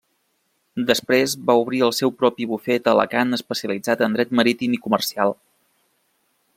Després va obrir el seu propi bufet a Alacant especialitzat en dret marítim i comercial.